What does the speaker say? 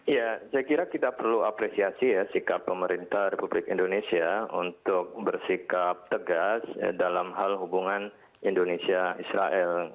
ya saya kira kita perlu apresiasi ya sikap pemerintah republik indonesia untuk bersikap tegas dalam hal hubungan indonesia israel